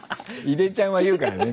いでちゃんは言うからね。